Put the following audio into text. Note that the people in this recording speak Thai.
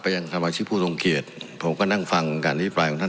ไปยังธรรมชีพผู้ทรงเกียจผมก็นั่งฟังการอิทธิฟรายของท่าน